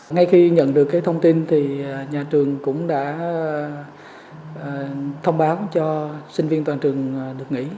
ngay khi nhận được thông tin nhà trường cũng đã thông báo cho sinh viên toàn trường được nghỉ